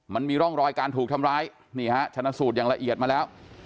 มันมีร่องรอยการถูกทำร้ายนี่ฮะชนะสูตรอย่างละเอียดมาแล้ว